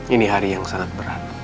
ini hari yang sangat berat